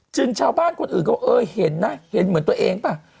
ชาวบ้านคนอื่นก็เออเห็นนะเห็นเหมือนตัวเองป่ะ